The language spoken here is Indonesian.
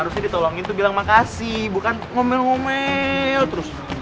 harusnya ditolongin tuh bilang makasih bukan ngomel ngomel terus